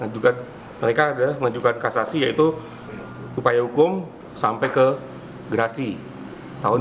sudah menunjukkan kasasi yaitu upaya hukum sampai ke gerasi tahun dua ribu sembilan belas